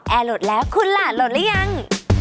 แอร์โหลดแล้วคุณล่ะโหลดแล้วยัง